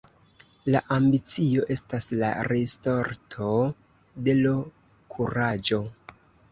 La ambicio estas la risorto de l' kuraĝo.